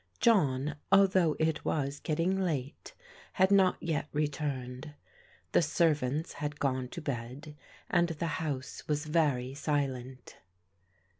John, although it was getting late, had not yet re turned* The servants had gone to bed, and the house was very silent.